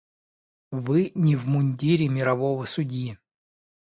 Вы не в мундире мирового судьи.